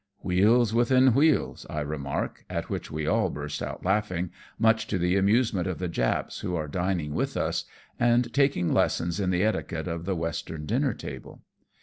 " Wheels within wheels," I remark, at which we all burst out laughing, much to the amusement of the Japs who are dining with us, and taking lessons in the etiquette of the western dinner table.